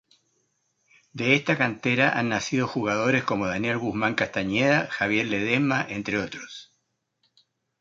De esta cantera han nacido jugadores como Daniel Guzmán Castañeda, Javier Ledesma, entre otros.